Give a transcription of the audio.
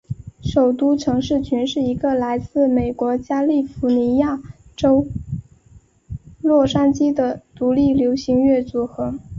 首都城市群是一个来自美国加利福尼亚州洛杉矶的独立流行乐组合。